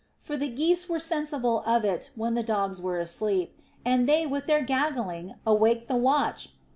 For the geese were sensible of it when the dogs were asleep, and they with their gaggling awaked the watch